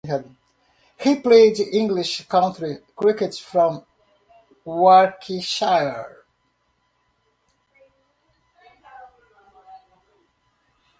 He played English county cricket for Warwickshire.